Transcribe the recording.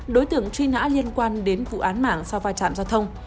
đối tưởng truy nã liên quan đến vụ án mảng sau vai trạm giao thông